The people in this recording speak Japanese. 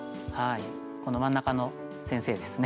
この真ん中の先生ですね。